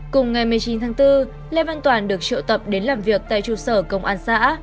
cùng ngày một mươi chín tháng bốn lê văn toàn được triệu tập đến làm việc tại trụ sở công an xã